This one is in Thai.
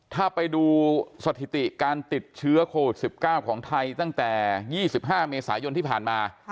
ถ้าไปดูสถิติการติดเชื้อโควิด๑๙ของไทยตั้งแต่๒๕เมษายนที่ผ่านมา